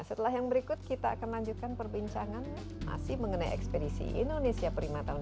setelah yang berikut kita akan lanjutkan perbincangan masih mengenai ekspedisi indonesia prima tahun dua ribu